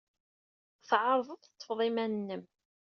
Tɛerḍeḍ ad teḍḍfeḍ iman-nnem.